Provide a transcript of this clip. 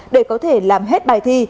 để có thể làm hết bài thi